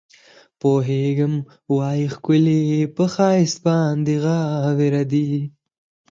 پوهېږمه وي ښکلي پۀ ښائست باندې غاوره